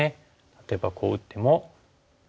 例えばこう打っても。